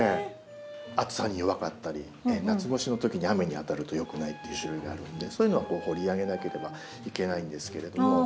暑さに弱かったり夏越しのときに雨に当たるとよくないっていう種類があるんでそういうのは掘り上げなければいけないんですけれども。